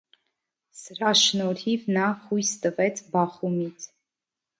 Սրա շնորհիվ նա խույս տվեց բախումից։